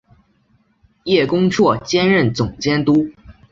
叶恭绰兼任总监督。